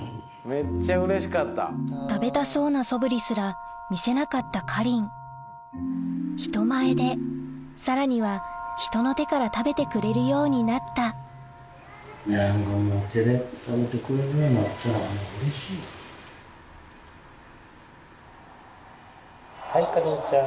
食べたそうなそぶりすら見せなかったかりん人前でさらには人の手から食べてくれるようになったはいかりんちゃん